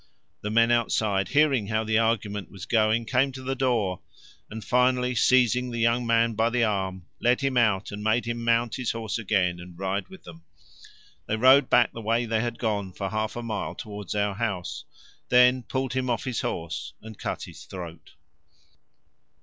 The men outside, hearing how the argument was going, came to the door, and finally seizing the young man by the arm led him out and made him mount his horse again and ride with them. They rode back the way they had gone for half a mile towards our house, then pulled him off his horse and cut his throat.